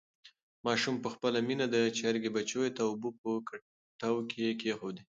ماشوم په خپله مینه د چرګې بچیو ته اوبه په کټو کې کېښودې.